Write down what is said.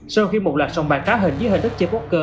sau khi một loạt sòng bàn cá hình với hình thức chơi bốc cơ